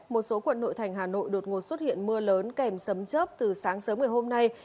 một số quận nội thành hà nội đột ngột xuất hiện mưa lớn kèm sấm chớp từ sáng sớm ngày hôm nay